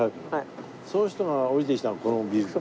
その人が降りてきたのこの美術館。